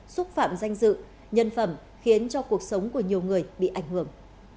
xúc phạm danh dự nhân phẩm khiến cho cuộc sống của nhiều người bị ảnh hưởng